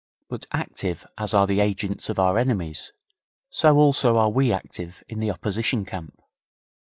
But active as are the agents of our enemies, so also are we active in the opposition camp.